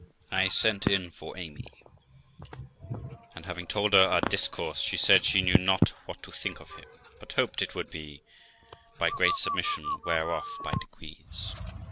I sent in for Amy, and, having told her our discourse, she said she knew not what to think of him, but hoped it would, by great submission, wear off by degrees.